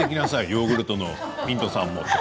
ヨーグルトのミントさんを。